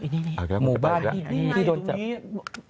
นี่ที่โดนที่โดนจาน